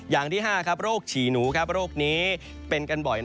อย่างที่๕โรคฉี่หนูโรคนี้เป็นกันบ่อย